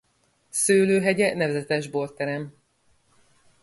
Szőlőhegye nevezetes bort terem.